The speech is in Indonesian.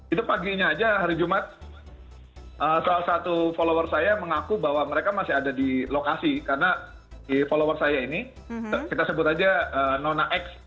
itu paginya aja hari jumat salah satu follower saya mengaku bahwa mereka masih ada di lokasi karena di followers saya ini kita sebut aja nona x